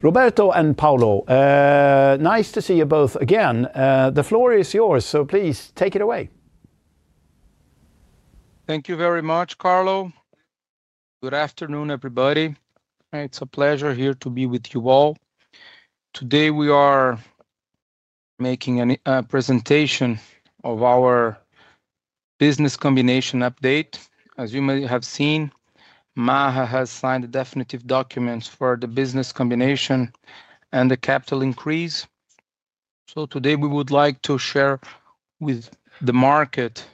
Roberto and Paulo, nice to see you both again. The floor is yours, so please take it away. Thank you very much, Kaarlo. Good afternoon, everybody. It's a pleasure here to be with you all. Today we are making a presentation of our business combination update. As you may have seen, Maha Capital AB has signed the definitive documents for the business combination and the capital increase. Today we would like to share with the market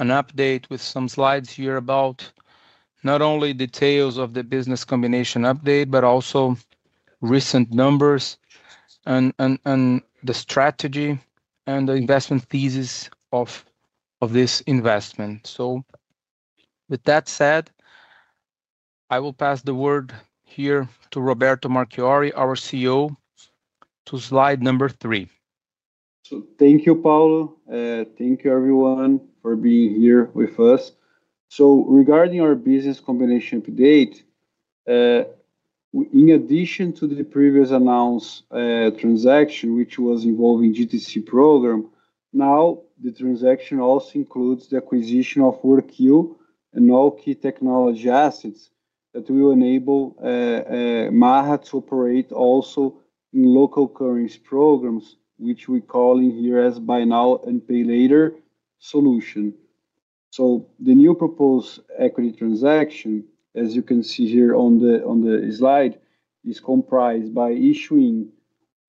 an update with some slides here about not only the details of the business combination update, but also recent numbers and the strategy and the investment thesis of this investment. With that said, I will pass the word here to Roberto Marchiori, our CEO, to slide number three. Thank you, Paulo. Thank you, everyone, for being here with us. Regarding our business combination update, in addition to the previously announced transaction, which was involving the Global Trade Card (GTC) program, the transaction also includes the acquisition of WorkQ and all key technology assets that will enable Maha Capital AB to operate also in local currency programs, which we're calling here as Buy Now, Pay Later solution. The new proposed equity transaction, as you can see here on the slide, is comprised by issuing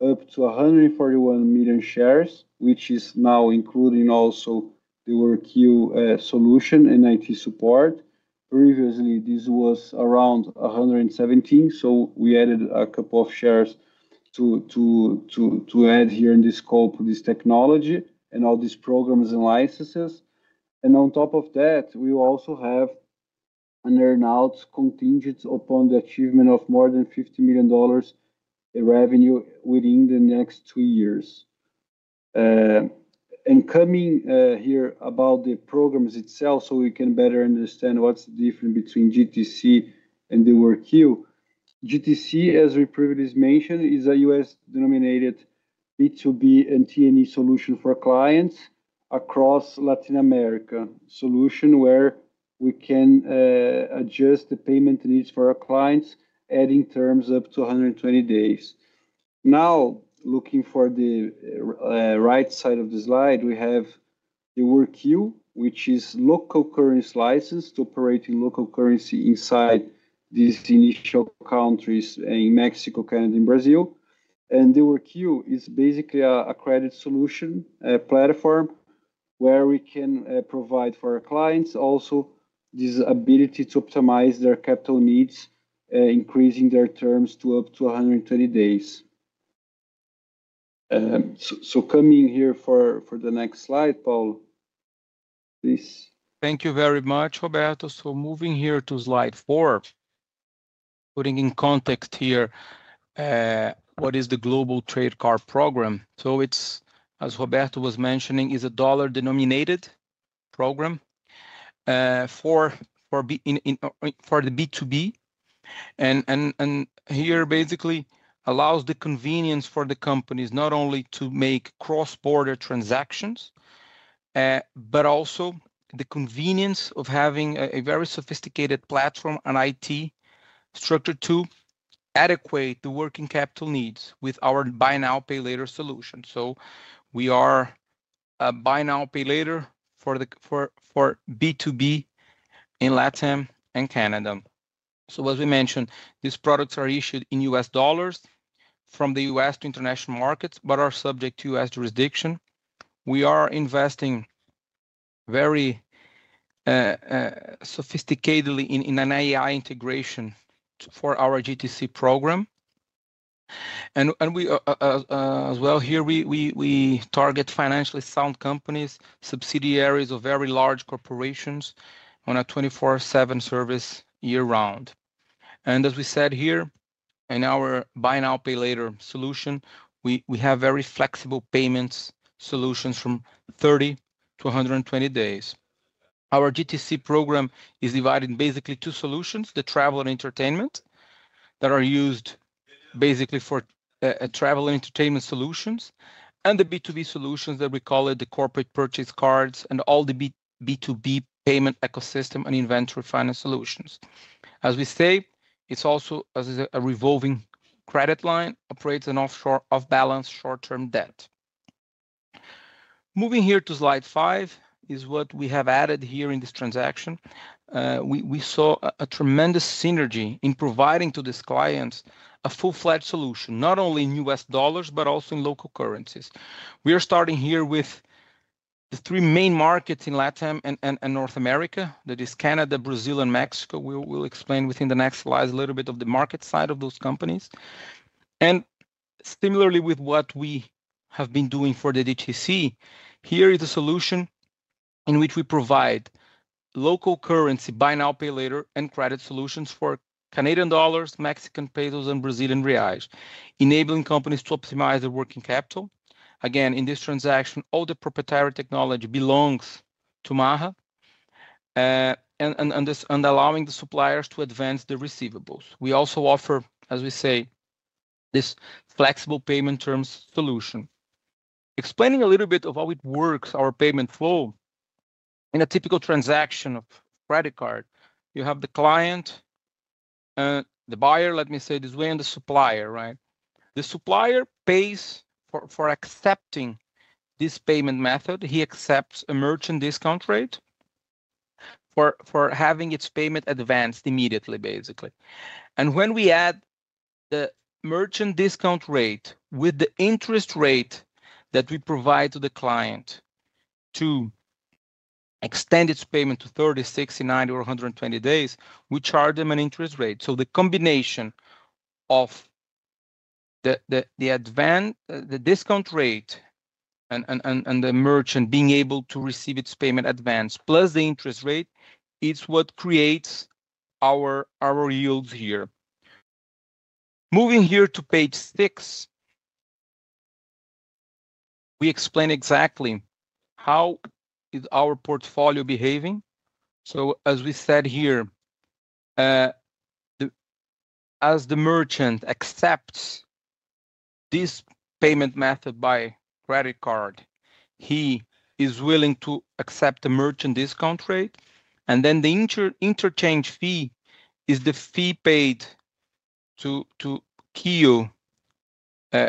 up to 141 million shares, which is now including also the WorkQ solution and IT support. Previously, this was around 117 million, so we added a couple of shares to add here in the scope of this technology and all these programs and licenses. On top of that, we will also have an earnout contingent upon the achievement of more than $50 million in revenue within the next two years. Coming here about the programs itself, so we can better understand what's the difference between GTC and the WorkQ. GTC, as we previously mentioned, is a U.S. dollar-denominated B2B and T&E solution for clients across Latin America, a solution where we can adjust the payment needs for our clients, adding terms up to 120 days. Looking for the right side of the slide, we have the WorkQ, which is a local currency license to operate in local currency inside these initial countries in Mexico, Canada, and Brazil. The WorkQ is basically an accredited solution platform where we can provide for our clients also this ability to optimize their capital needs, increasing their terms to up to 120 days. Coming here for the next slide, Paulo, please. Thank you very much, Roberto. Moving here to slide four, putting in context what is the Global Trade Card program. As Roberto was mentioning, it's a dollar-denominated program for the B2B. Here, it basically allows the convenience for the companies not only to make cross-border transactions, but also the convenience of having a very sophisticated platform and IT structure to adequate the working capital needs with our Buy Now, Pay Later solution. We are a Buy Now, Pay Later for B2B in Latin America and Canada. As we mentioned, these products are issued in US dollars from the U.S. to international markets, but are subject to U.S. jurisdiction. We are investing very sophisticatedly in an AI integration for our GTC program. We target financially sound companies, subsidiaries of very large corporations, on a 24/7 service year-round. As we said in our Buy Now, Pay Later solution, we have very flexible payment solutions from 30 to 120 days. Our GTC program is divided in basically two solutions: the travel and entertainment that are used basically for travel and entertainment solutions, and the B2B solutions that we call the corporate purchase cards and all the B2B payment ecosystem and inventory finance solutions. It's also a revolving credit line, operates an off-balance short-term debt. Moving here to slide five is what we have added in this transaction. We saw a tremendous synergy in providing to these clients a full-fledged solution, not only in US dollars, but also in local currencies. We are starting with the three main markets in Latin America and North America, that is Canada, Brazil, and Mexico. We'll explain within the next slides a little bit of the market side of those companies. Similarly with what we have been doing for the GTC, here is a solution in which we provide local currency Buy Now, Pay Later and credit solutions for Canadian dollars, Mexican pesos, and Brazilian reais, enabling companies to optimize their working capital. Again, in this transaction, all the proprietary technology belongs to Maha and allows the suppliers to advance the receivables. We also offer this flexible payment terms solution. Explaining a little bit of how it works, our payment flow in a typical transaction of credit card, you have the client, the buyer, let me say it this way, and the supplier, right? The supplier pays for accepting this payment method. He accepts a merchant discount rate for having its payment advanced immediately, basically. When we add the merchant discount rate with the interest rate that we provide to the client to extend its payment to 30, 60, 90, or 120 days, we charge them an interest rate. The combination of the discount rate and the merchant being able to receive its payment advanced, plus the interest rate, is what creates our yields here. Moving here to page six, we explain exactly how our portfolio is behaving. As we said here, as the merchant accepts this payment method by credit card, he is willing to accept the merchant discount rate. The interchange fee is the fee paid to Q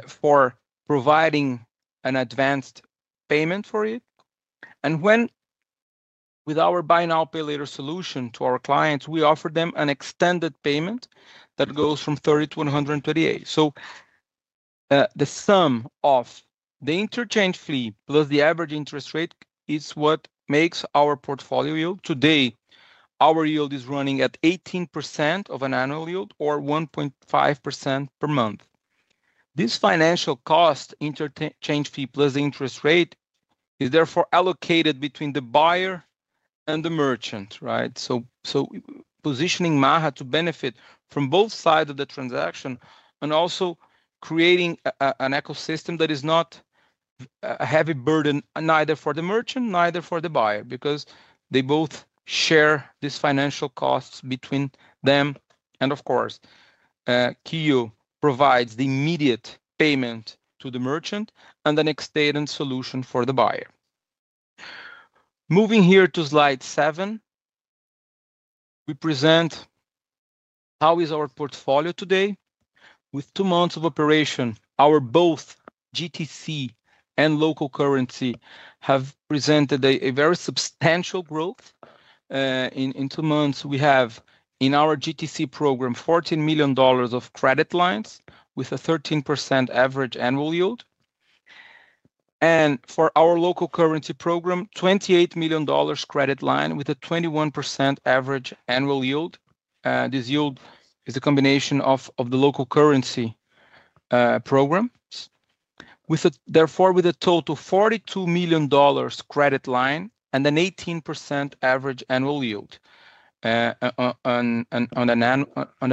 for providing an advanced payment for it. With our BNPL solution to our clients, we offer them an extended payment that goes from 30 to 120 days. The sum of the interchange fee plus the average interest rate is what makes our portfolio yield. Today, our yield is running at 18% of an annual yield or 1.5% per month. This financial cost interchange fee plus the interest rate is therefore allocated between the buyer and the merchant, right? Positioning Maha Capital AB to benefit from both sides of the transaction and also creating an ecosystem that is not a heavy burden neither for the merchant nor for the buyer because they both share these financial costs between them. Q provides the immediate payment to the merchant and an extended solution for the buyer. Moving here to slide seven, we present how our portfolio is today. With two months of operation, both our GTC and local currency have presented a very substantial growth. In two months, we have in our GTC program $14 million of credit lines with a 13% average annual yield. For our local currency program, $28 million credit line with a 21% average annual yield. This yield is a combination of the local currency programs, therefore with a total of $42 million credit line and an 18% average annual yield on a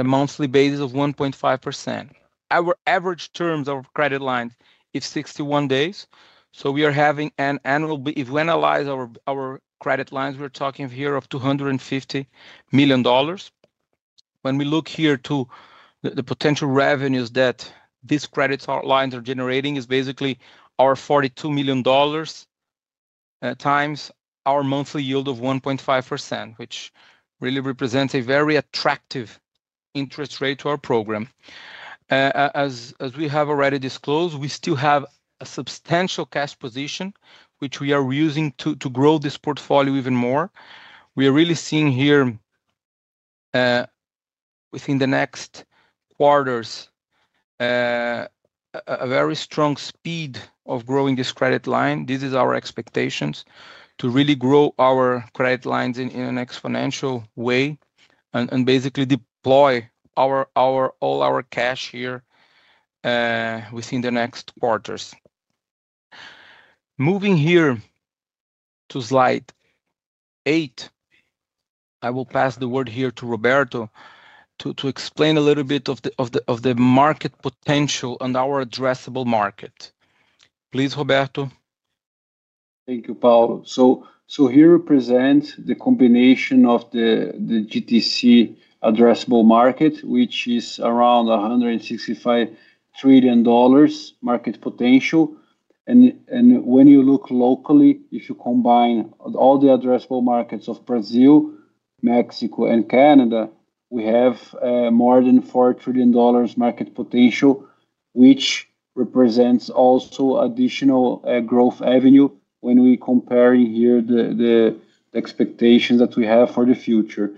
monthly basis of 1.5%. Our average terms of credit lines is 61 days. If we annualize our credit lines, we're talking here of $250 million. When we look here to the potential revenues that these credit lines are generating, it's basically our $42 million times our monthly yield of 1.5%, which really represents a very attractive interest rate to our program. As we have already disclosed, we still have a substantial cash position, which we are using to grow this portfolio even more. We are really seeing here within the next quarters a very strong speed of growing this credit line. This is our expectations to really grow our credit lines in an exponential way and basically deploy all our cash here within the next quarters. Moving here to slide eight, I will pass the word here to Roberto to explain a little bit of the market potential and our addressable market. Please, Roberto. Thank you, Paulo. Here we present the combination of the GTC addressable market, which is around $165 trillion market potential. When you look locally, if you combine all the addressable markets of Brazil, Mexico, and Canada, we have more than $4 trillion market potential, which represents also additional growth avenue when we're comparing here the expectations that we have for the future.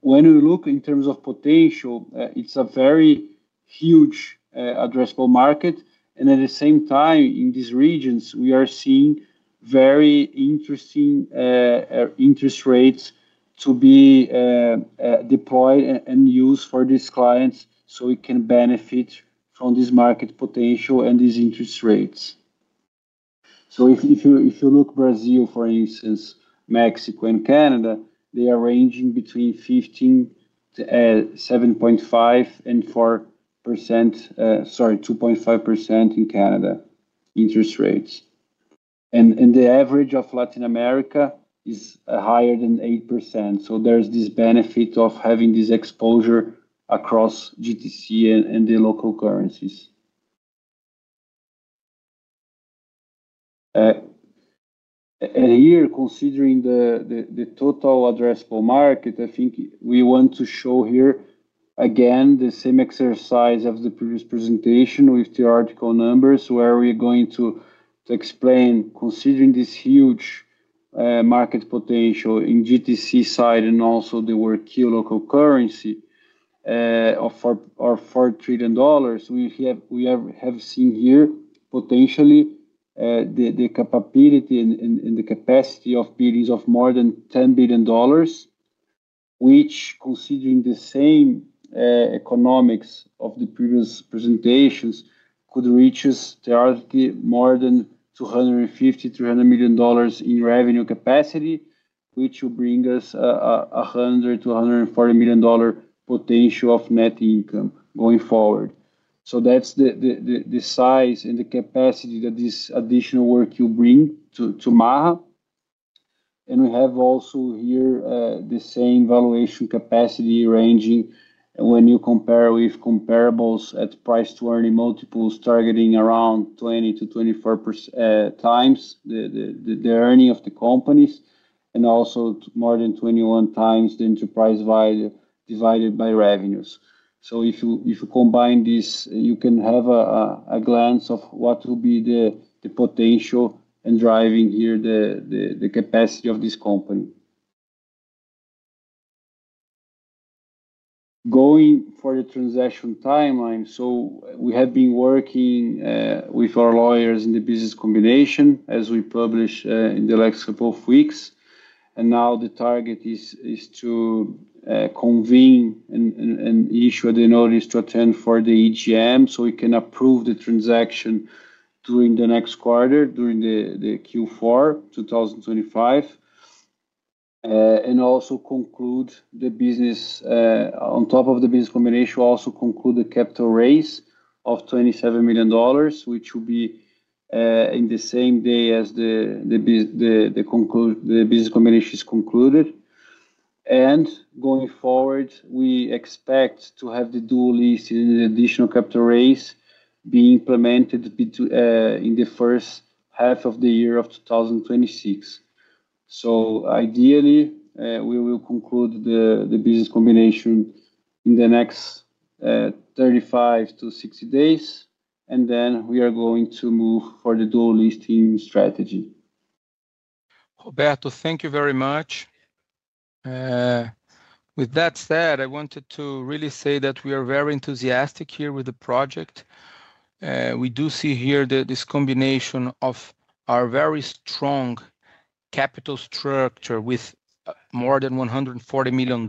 When we look in terms of potential, it's a very huge addressable market. At the same time, in these regions, we are seeing very interesting interest rates to be deployed and used for these clients so we can benefit from this market potential and these interest rates. If you look at Brazil, for instance, Mexico, and Canada, they are ranging between 15% to 7.5% and 2.5% in Canada interest rates. The average of Latin America is higher than 8%. There's this benefit of having this exposure across GTC and the local currencies. Here, considering the total addressable market, I think we want to show here again the same exercise as the previous presentation with the article numbers where we're going to explain, considering this huge market potential in GTC side and also the WorkQ local currency of $4 trillion, we have seen here potentially the capability and the capacity of BDs of more than $10 billion, which, considering the same economics of the previous presentations, could reach us to more than $250-$300 million in revenue capacity, which will bring us a $100-$140 million potential of net income going forward. That's the size and the capacity that this additional work you'll bring to Maha. We have also here the same valuation capacity ranging when you compare with comparables at price-to-earning multiples targeting around 20-24x the earning of the companies and also more than 21x the enterprise divided by revenues. If you combine this, you can have a glance of what will be the potential and driving here the capacity of this company. Going for the transaction timeline, we have been working with our lawyers in the business combination as we publish in the next couple of weeks. Now the target is to convene and issue the notice to attend for the EGM so we can approve the transaction during the next quarter, during Q4 2025, and also conclude the business. On top of the business combination, we'll also conclude the capital raise of $27 million, which will be in the same day as the business combination is concluded. Going forward, we expect to have the dual list and the additional capital raise being implemented in the first half of the year of 2026. Ideally, we will conclude the business combination in the next 35-60 days, and then we are going to move for the dual listing strategy. Roberto, thank you very much. With that said, I wanted to really say that we are very enthusiastic here with the project. We do see here this combination of our very strong capital structure with more than $140 million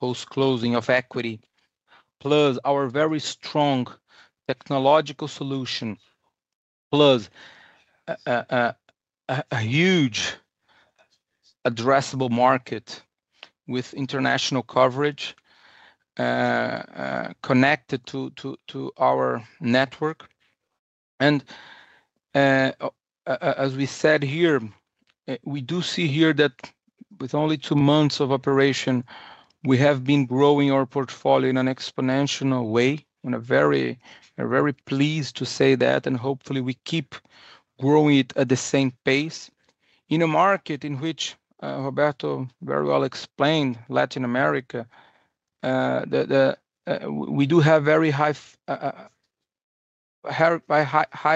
post-closing of equity, plus our very strong technological solution, plus a huge addressable market with international coverage connected to our network. As we said here, we do see here that with only two months of operation, we have been growing our portfolio in an exponential way. We're very pleased to say that, and hopefully, we keep growing it at the same pace in a market in which, Roberto very well explained, Latin America, we do have very high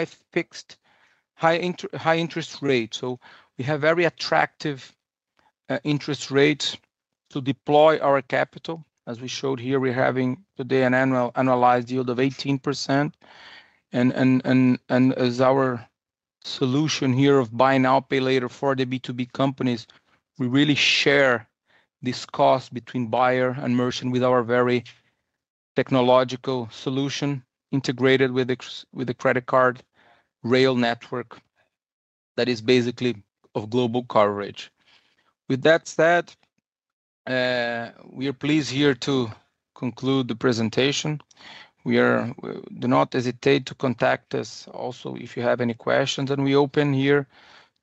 fixed high-interest rates. We have very attractive interest rates to deploy our capital. As we showed here, we're having today an annualized yield of 18%. As our solution here of BNPL for the B2B companies, we really share this cost between buyer and merchant with our very technological solution integrated with the credit card rail network that is basically of global coverage. With that said, we are pleased here to conclude the presentation. Do not hesitate to contact us also if you have any questions, and we open here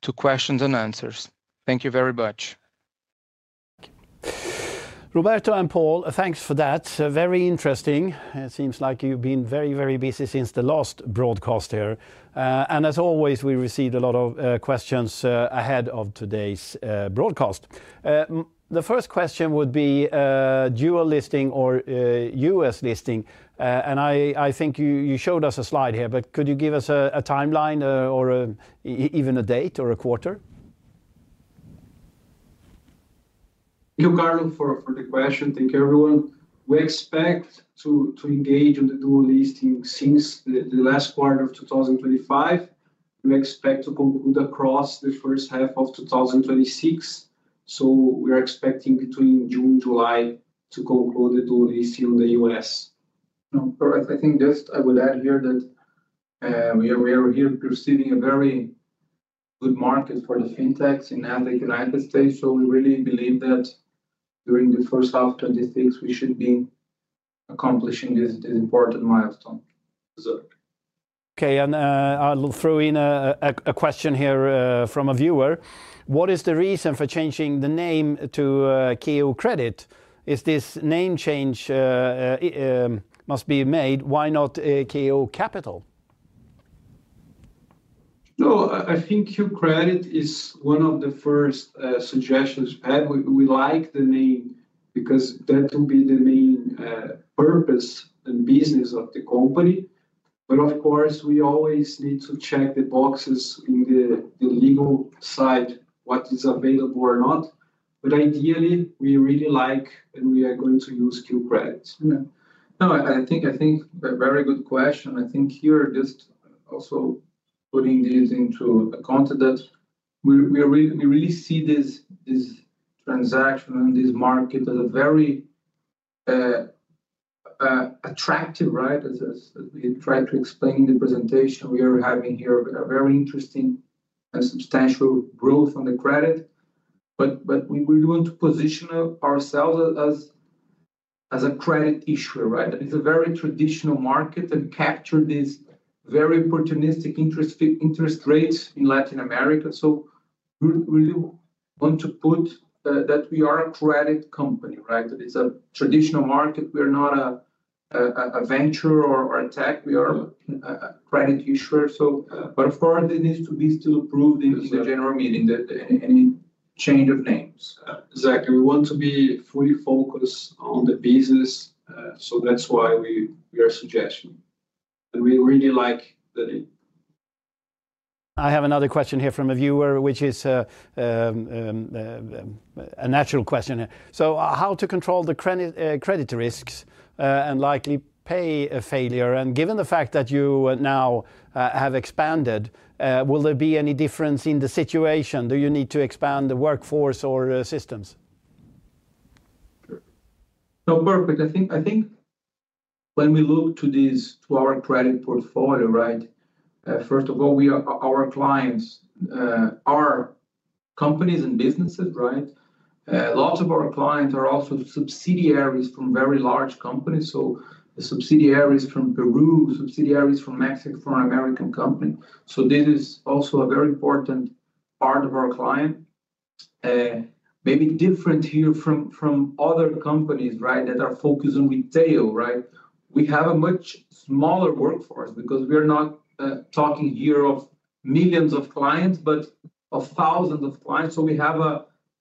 to questions and answers. Thank you very much. Roberto, I'`m Paul. Thanks for that. Very interesting. It seems like you've been very, very busy since the last broadcast here. As always, we received a lot of questions ahead of today's broadcast. The first question would be dual listing or U.S. listing. I think you showed us a slide here, but could you give us a timeline or even a date or a quarter? Thank you, Kaarlo, for the question. Thank you, everyone. We expect to engage in the dual listing since the last quarter of 2025. We expect to conclude across the first half of 2026. We are expecting between June and July to conclude the dual listing in the U.S. I think I would add here that we are perceiving a very good market for the fintechs in the United States. We really believe that during the first half of 2026, we should be accomplishing this important milestone. Okay. I'll throw in a question here from a viewer. What is the reason for changing the name to KO Credit? Is this name change a must be made? Why not KO Capital? I think KO Credit is one of the first suggestions we had. We like the name because that will be the main purpose and business of the company. Of course, we always need to check the boxes on the legal side, what is available or not. Ideally, we really like and we are going to use KO Credit. No, I think a very good question. I think here just also putting this into account that we really see this transaction and this market as very attractive, right? As we tried to explain in the presentation, we are having here a very interesting and substantial growth on the credit. We want to position ourselves as a credit issuer, right? It's a very traditional market that captures these very opportunistic interest rates in Latin America. We really want to put that we are a credit company, right? It's a traditional market. We are not a venture or a tech. We are a credit issuer. Of course, it needs to be still approved in the general meeting, any change of names. Exactly. We want to be fully focused on the business, that's why we are suggesting it. We really like the name. I have another question here from a viewer, which is a natural question here. How to control the credit risks and likely pay a failure? Given the fact that you now have expanded, will there be any difference in the situation? Do you need to expand the workforce or systems? Perfect. I think when we look to our credit portfolio, first of all, our clients are companies and businesses. Lots of our clients are also subsidiaries from very large companies. The subsidiaries from Peru, subsidiaries from Mexico, from an American company. This is also a very important part of our client. Maybe different here from other companies that are focused on retail. We have a much smaller workforce because we are not talking here of millions of clients, but of thousands of clients. We have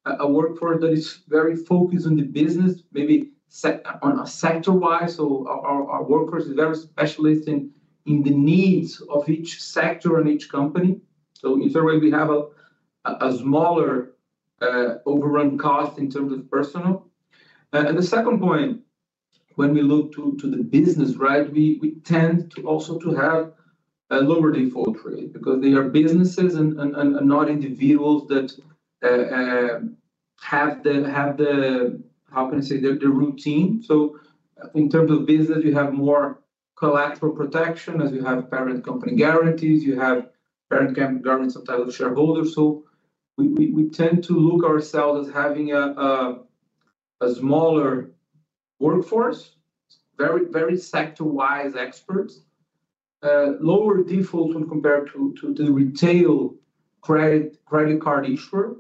a workforce that is very focused on the business, maybe on a sector-wise. Our workforce is very specialist in the needs of each sector and each company. In a way, we have a smaller overall cost in terms of personnel. The second point, when we look to the business, we tend also to have a lower default rate because they are businesses and not individuals that have the routine. In terms of business, you have more collateral protection as you have parent company guarantees. You have parent guarantees on title of shareholders. We tend to look at ourselves as having a smaller workforce, very, very sector-wise experts, lower defaults when compared to the retail credit card issuer,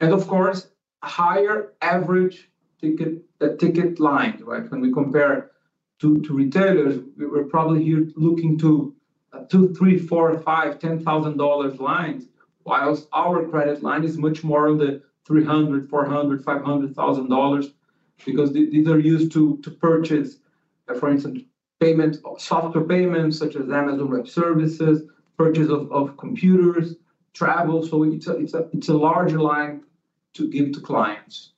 and of course, a higher average ticket line. When we compare to retailers, we're probably here looking to $2,000, $3,000, $4,000, $5,000, $10,000 lines, whilst our credit line is much more on the $300,000, $400,000, $500,000 because these are used to purchase, for instance, software payments such as Amazon Web Services, purchase of computers, travel. It's a larger line to give to clients.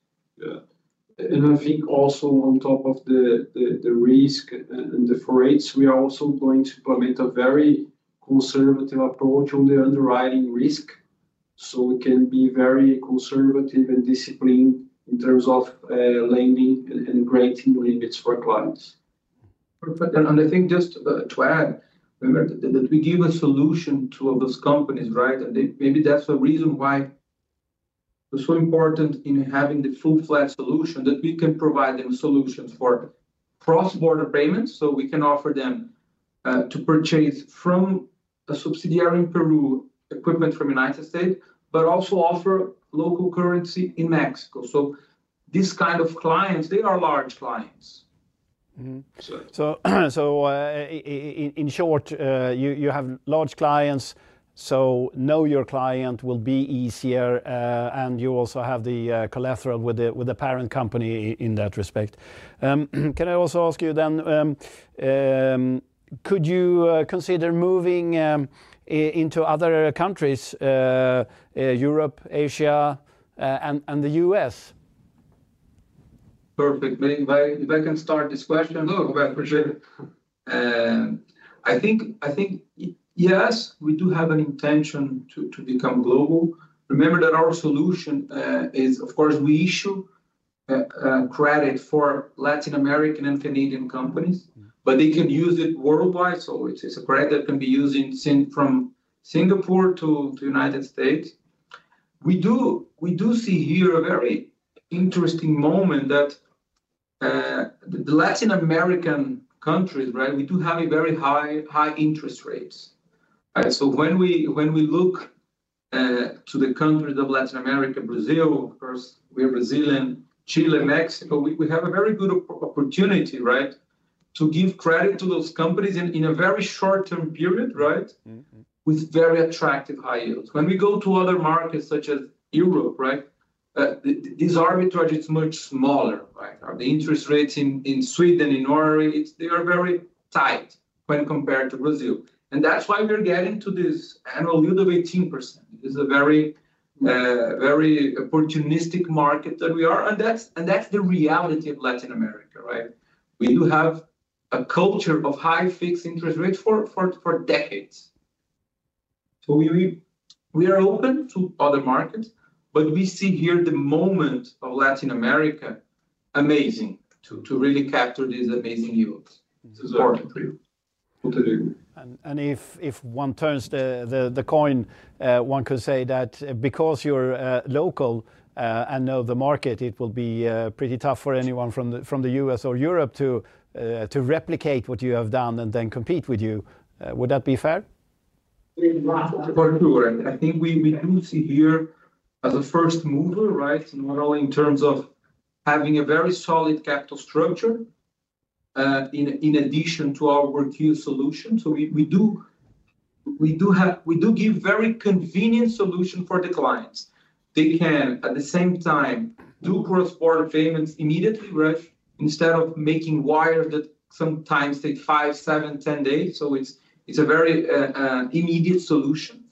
I think also on top of the risk and the rates, we are also going to implement a very conservative approach on the underwriting risk. We can be very conservative and disciplined in terms of lending and granting limits for clients. Just to add that we give a solution to those companies, and maybe that's the reason why it's so important in having the full-fledged solution that we can provide them solutions for cross-border payments. We can offer them to purchase from a subsidiary in Peru equipment from the United States, but also offer local currency in Mexico. These kinds of clients, they are large clients. You have large clients, so know your client will be easier, and you also have the collateral with the parent company in that respect. Can I also ask you then, could you consider moving into other countries, Europe, Asia, and the U.S.? Perfect. If I can start this question. No, go ahead. I think yes, we do have an intention to become global. Remember that our solution is, of course, we issue credit for Latin American and Canadian companies, but they can use it worldwide. It's a credit that can be used from Singapore to the United States. We do see here a very interesting moment that the Latin American countries, right, we do have very high interest rates. When we look to the countries of Latin America, Brazil, of course, we are Brazilian, Chile, Mexico, we have a very good opportunity to give credit to those companies in a very short-term period with very attractive high yields. When we go to other markets such as Europe, this arbitrage is much smaller. The interest rates in Sweden, in Norway, they are very tight when compared to Brazil. That's why we are getting to this annual yield of 18%. It is a very opportunistic market that we are, and that's the reality of Latin America. We do have a culture of high fixed interest rates for decades. We are open to other markets, but we see here the moment of Latin America amazing to really capture these amazing yields. If one turns the coin, one could say that because you're local and know the market, it will be pretty tough for anyone from the U.S. or Europe to replicate what you have done and then compete with you. Would that be fair? For sure. I think we do see here as a first mover, not only in terms of having a very solid capital structure in addition to our WorkQ solution. We do give a very convenient solution for the clients. They can, at the same time, do cross-border payments immediately, instead of making wires that sometimes take 5, 7, 10 days. It's a very immediate solution,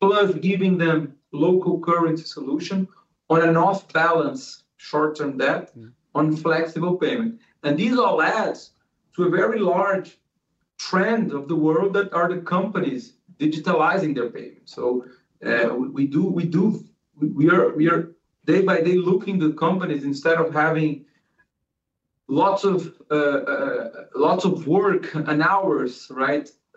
plus giving them local currency solution on an off-balance short-term debt on flexible payment. This all adds to a very large trend of the world that are the companies digitalizing their payments. We are day by day looking at companies instead of having lots of work and hours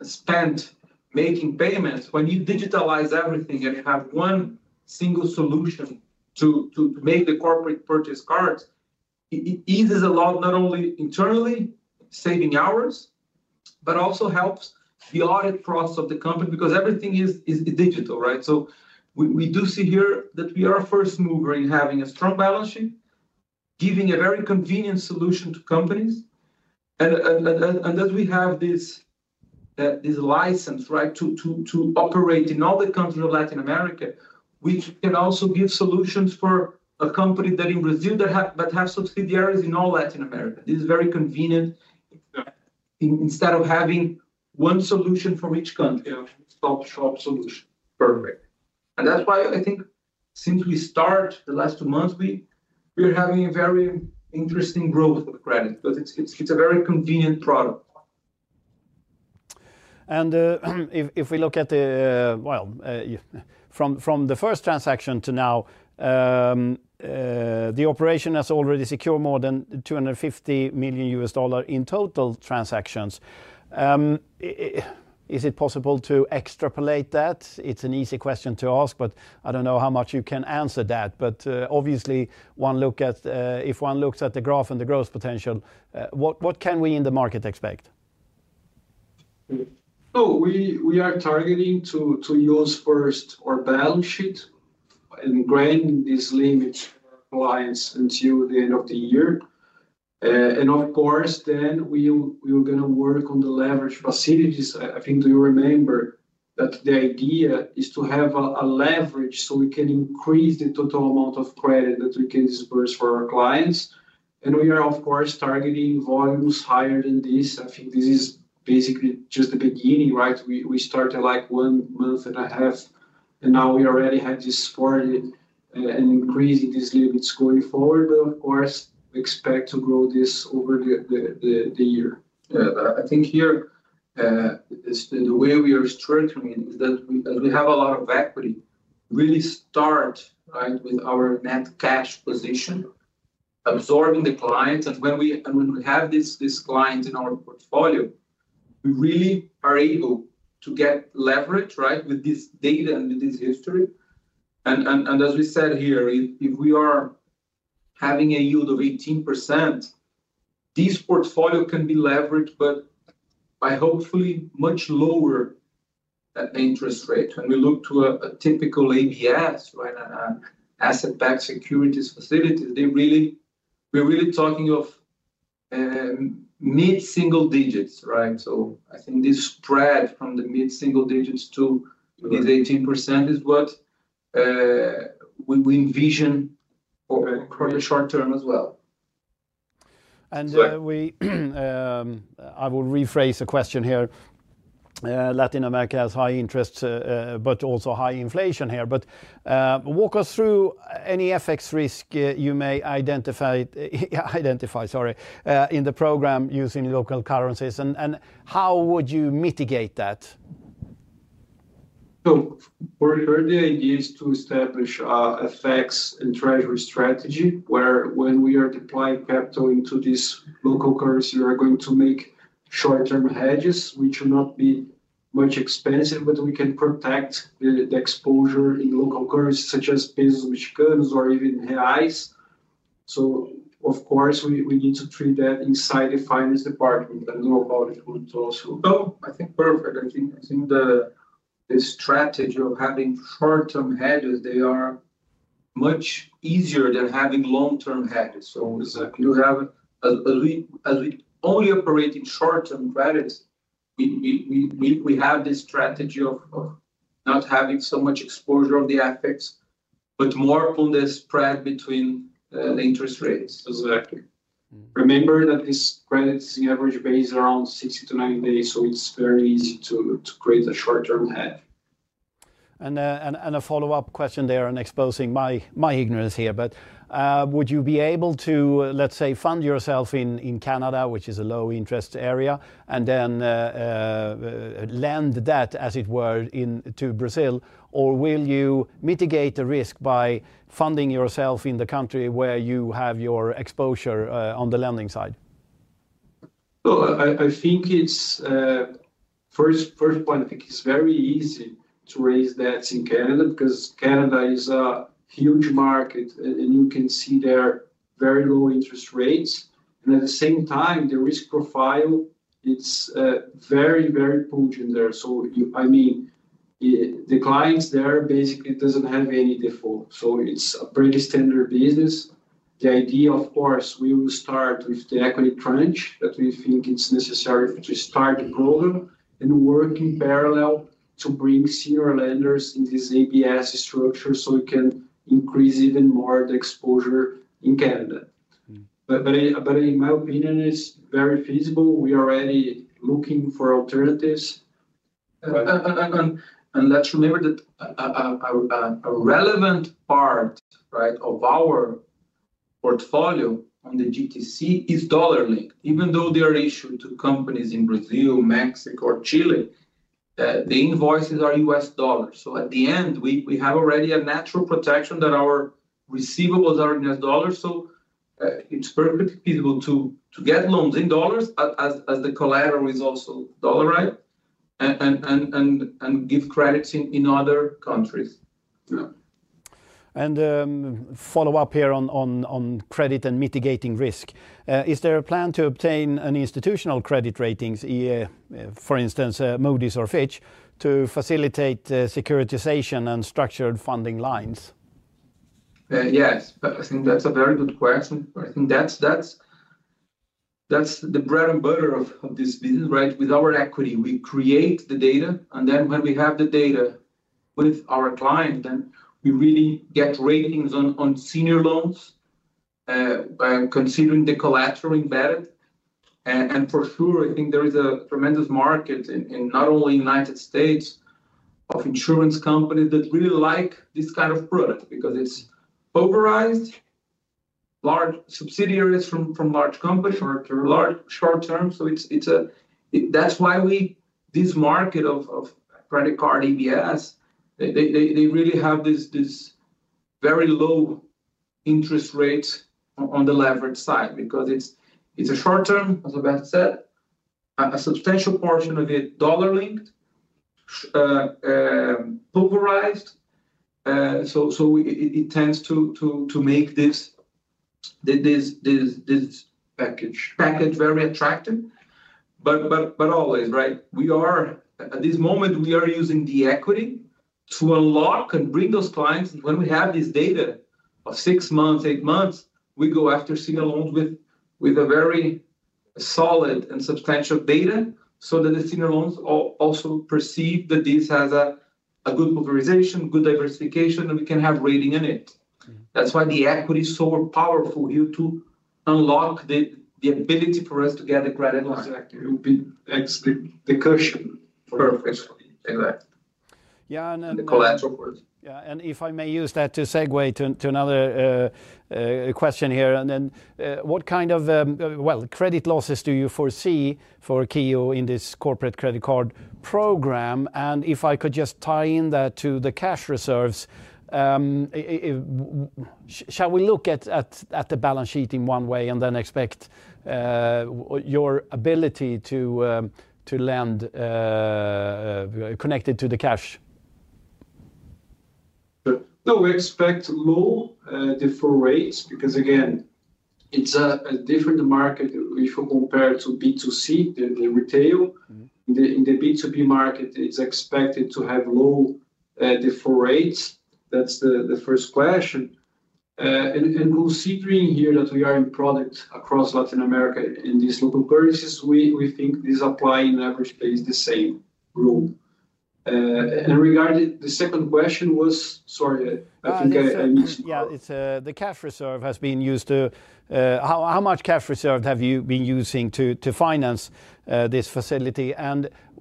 spent making payments. When you digitalize everything and have one single solution to make the corporate purchase cards, it eases a lot, not only internally saving hours, but also helps the audit process of the company because everything is digital. We do see here that we are a first mover in having a strong balance sheet, giving a very convenient solution to companies. As we have this license to operate in all the countries of Latin America, we can also give solutions for a company in Brazil that has subsidiaries in all Latin America. This is very convenient instead of having one solution for each country. Perfect. I think since we started the last two months, we are having a very interesting growth with credit because it's a very convenient product. If we look at the, from the first transaction to now, the operation has already secured more than $250 million in total transactions. Is it possible to extrapolate that? It's an easy question to ask, but I don't know how much you can answer that. Obviously, if one looks at the graph and the growth potential, what can we in the market expect? We are targeting to use first our balance sheet and grant this limit to our clients until the end of the year. Of course, we are going to work on the leverage facilities. I think you remember that the idea is to have a leverage so we can increase the total amount of credit that we can disperse for our clients. We are targeting volumes higher than this. I think this is basically just the beginning, right? We started like one month and a half, and now we already had this support and increasing this limit going forward. We expect to grow this over the year. I think here the way we are structuring it is that as we have a lot of equity, really start, right, with our net cash position, absorbing the client. When we have this client in our portfolio, we really are able to get leverage, right, with this data and with this history. As we said here, if we are having a yield of 18%, this portfolio can be leveraged, but by hopefully much lower interest rate. When we look to a typical ABS, an asset-backed securities facility, we're really talking of mid-single digits, right? I think this spread from the mid-single digits to these 18% is what we envision for the short term as well. I will rephrase the question here. Latin America has high interest but also high inflation here. Walk us through any FX risk you may identify in the program using local currencies. How would you mitigate that? The idea is to establish a FX and treasury strategy where when we are deploying capital into this local currency, we are going to make short-term hedges, which will not be much expensive, but we can protect the exposure in local currencies such as pesos mexicanos or even reais. Of course, we need to treat that inside the finance department and the audit group too. I think perfect. I think the strategy of having short-term hedges, they are much easier than having long-term hedges. We do have, as we only operate in short-term credits, this strategy of not having so much exposure on the FX, but more on the spread between the interest rates. Exactly. Remember that this credit is in average base around 60 to 90 days, so it's very easy to create a short-term hedge. A follow-up question there, exposing my ignorance here, would you be able to, let's say, fund yourself in Canada, which is a low-interest area, and then lend that, as it were, to Brazil? Will you mitigate the risk by funding yourself in the country where you have your exposure on the lending side? I think it's first point, I think it's very easy to raise debts in Canada because Canada is a huge market and you can see there are very low interest rates. At the same time, the risk profile is very, very pungent there. I mean, the clients there basically don't have any default. It's a pretty standard business. The idea, of course, we will start with the equity crunch that we think is necessary to start the program and work in parallel to bring senior lenders in this ABS structure so we can increase even more the exposure in Canada. In my opinion, it's very feasible. We are already looking for alternatives. Let's remember that a relevant part of our portfolio on the GTC is dollar-linked. Even though they are issued to companies in Brazil, Mexico, or Chile, the invoices are US dollars. At the end, we have already a natural protection that our receivables are in US dollars. It's perfectly feasible to get loans in dollars as the collateral is also dollar, right, and give credits in other countries. Is there a plan to obtain an institutional credit rating, for instance, Moody’s or Fitch, to facilitate securitization and structured funding lines? Yes, but I think that's a very good question. I think that's the bread and butter of this business, right? With our equity, we create the data, and then when we have the data with our client, then we really get ratings on senior loans considering the collateral embedded. For sure, I think there is a tremendous market in not only the United States of insurance companies that really like this kind of product because it's overrides, large subsidiaries from large companies for large short term. That's why this market of credit card EBS, they really have this very low interest rate on the leverage side because it's a short term, as Roberto said, a substantial portion of it dollar-linked, overrides. It tends to make this package very attractive. Always, right, we are at this moment, we are using the equity to unlock and bring those clients. When we have this data of six months, eight months, we go after senior loans with a very solid and substantial data so that the senior loans also perceive that this has a good pulverization, good diversification, and we can have rating in it. That's why the equity is so powerful here to unlock the ability for us to get the credit lines. Exactly. The cushion. Perfect. Exactly. The collateral for it. Yeah. If I may use that to segue to another question here, what kind of, well, credit losses do you foresee for KO Credit in this corporate credit card program? If I could just tie that to the cash reserves, should we look at the balance sheet in one way and then expect your ability to lend connected to the cash? No, we expect low default rates because, again, it's a different market if we compare it to B2C, the retail. In the B2B market, it's expected to have low default rates. That's the first question. Considering here that we are in product across Latin America in these local currencies, we think this applies in average place the same rule. Regarding the second question, sorry, I think I missed it. Yeah, the cash reserve has been used to, how much cash reserve have you been using to finance this facility?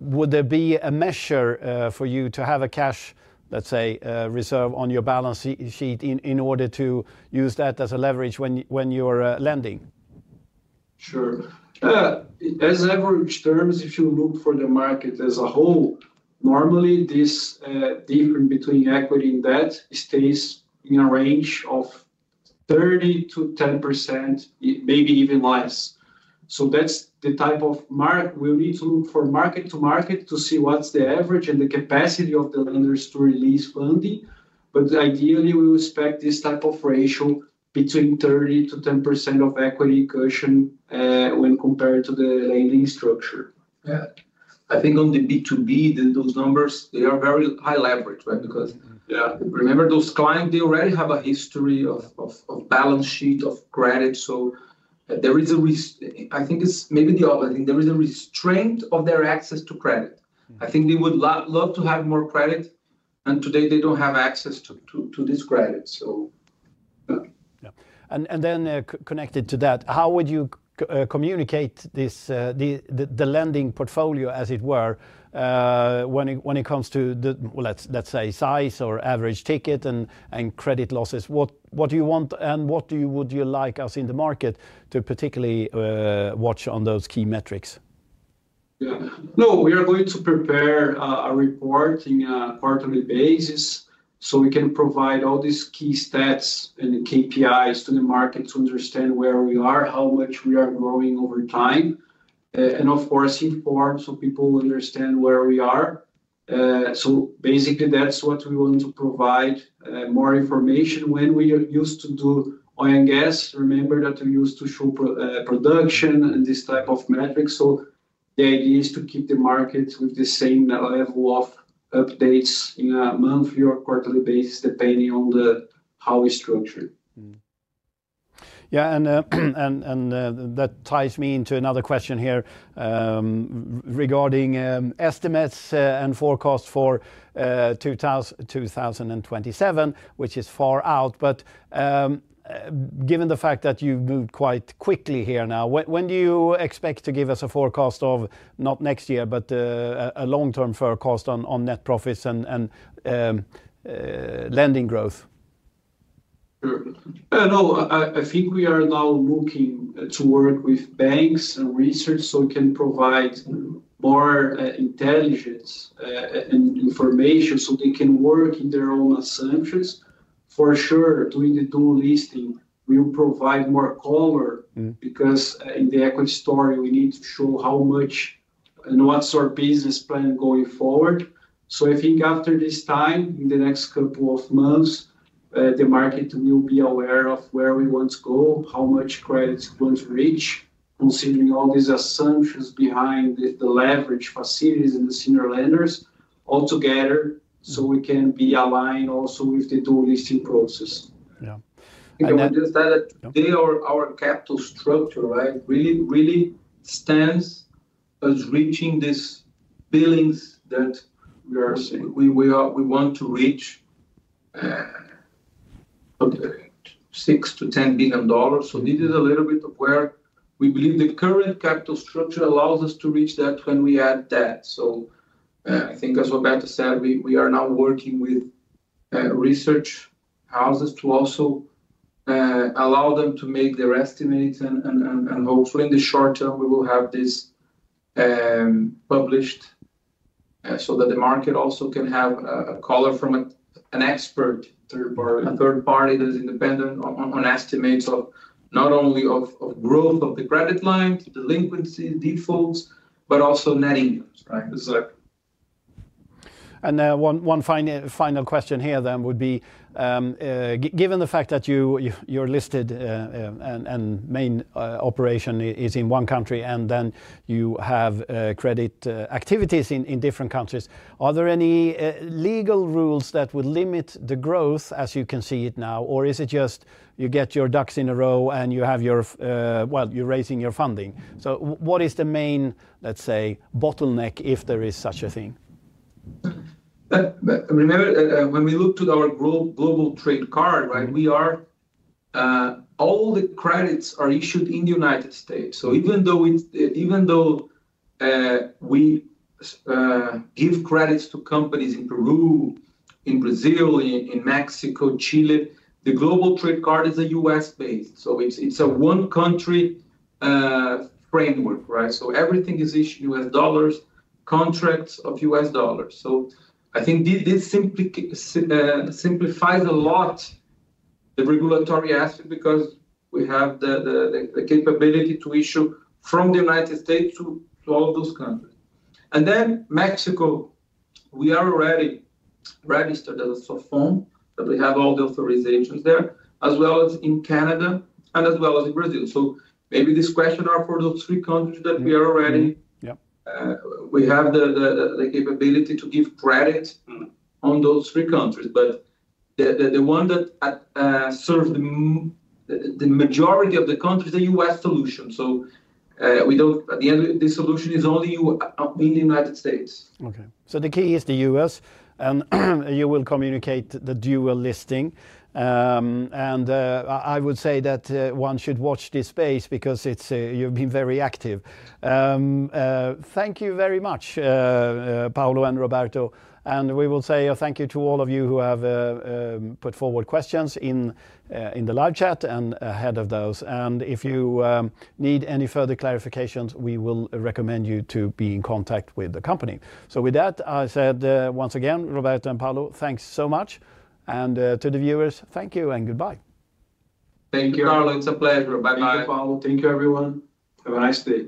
Would there be a measure for you to have a cash, let's say, reserve on your balance sheet in order to use that as a leverage when you are lending? Sure. As average terms, if you look for the market as a whole, normally this difference between equity and debt stays in a range of 30%-10%, maybe even less. That's the type of market we'll need to look for, market to market, to see what's the average and the capacity of the lenders to release funding. Ideally, we will expect this type of ratio between 30%-10% of equity cushion when compared to the lending structure. I think on the B2B, those numbers, they are very high leverage, right? Because remember those clients, they already have a history of balance sheet of credit. There is a risk, I think it's maybe the opposite. I think there is a restraint of their access to credit. I think they would love to have more credit, and today they don't have access to this credit. How would you communicate the lending portfolio, as it were, when it comes to the size or average ticket and credit losses? What do you want and what would you like us in the market to particularly watch on those key metrics? Yeah. No, we are going to prepare a report on a quarterly basis so we can provide all these key stats and KPIs to the market to understand where we are, how much we are growing over time. Of course, inform so people understand where we are. Basically, that's what we want to provide, more information. When we used to do oil and gas, remember that we used to show production and this type of metrics. The idea is to keep the market with the same level of updates in a monthly or quarterly basis, depending on how we structure it. Yeah, that ties me into another question here regarding estimates and forecasts for 2027, which is far out. Given the fact that you've moved quite quickly here now, when do you expect to give us a forecast of not next year, but a long-term forecast on net profits and lending growth? No, I think we are now looking to work with banks and research so we can provide more intelligence and information so they can work in their own assumptions. For sure, doing the dual listing will provide more color because in the equity story, we need to show how much and what's our business plan going forward. I think after this time, in the next couple of months, the market will be aware of where we want to go, how much credit we want to reach, considering all these assumptions behind the leverage facilities and the senior lenders altogether so we can be aligned also with the dual listing process. Yeah. Today, our capital structure really stands as reaching these billings that we want to reach, $6 billion-$10 billion. This is a little bit of where we believe the current capital structure allows us to reach that when we add that. I think, as Roberto said, we are now working with research houses to also allow them to make their estimates. Hopefully, in the short term, we will have this published so that the market also can have a color from an expert, a third party that is independent on estimates of not only growth of the credit line, delinquencies, defaults, but also net incomes. Exactly. One final question here would be, given the fact that you're listed and the main operation is in one country and you have credit activities in different countries, are there any legal rules that would limit the growth as you can see it now? Is it just you get your ducks in a row and you're raising your funding? What is the main bottleneck if there is such a thing? Remember, when we look to our Global Trade Card, all the credits are issued in the United States. Even though we give credits to companies in Peru, in Brazil, in Mexico, and Chile, the Global Trade Card is U.S.-based. It's a one-country framework, right? Everything is issued in U.S. dollars, contracts are U.S. dollars. I think this simplifies a lot the regulatory aspect because we have the capability to issue from the United States to all those countries. In Mexico, we are already registered as a Sofom and we have all the authorizations there, as well as in Canada and as well as in Brazil. Maybe this question is for those three countries that we are already. Yeah. We have the capability to give credit in those three countries. The one that serves the majority of the countries is the U.S. solution. We don't, at the end, this solution is only in the United States. Okay. The key is the US, and you will communicate the dual listing. I would say that one should watch this space because you've been very active. Thank you very much, Paulo and Roberto. We will say thank you to all of you who have put forward questions in the live chat and ahead of those. If you need any further clarifications, we will recommend you to be in contact with the company. With that, I say once again, Roberto and Paulo, thanks so much. To the viewers, thank you and goodbye. Thank you. Kaarlo, it's a pleasure. Bye-bye Bye, Kaarlo. Thank you, everyone. Have a nice day.